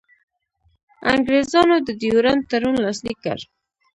انګرېزانو د ډیورنډ تړون لاسلیک کړ.